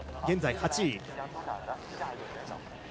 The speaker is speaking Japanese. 現在８位。